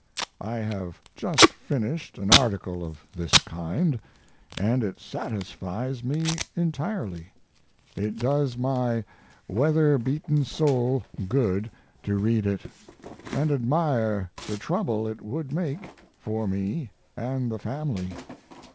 I have just finished an article of this kind, and it satisfies me entirely. It does my weather beaten soul good to read it, and admire the trouble it would make for me and the family.